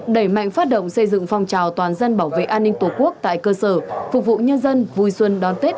đẩy mạnh phát động xây dựng phong trào toàn dân bảo vệ an ninh tổ quốc tại cơ sở phục vụ nhân dân vui xuân đón tết